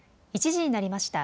１時になりました。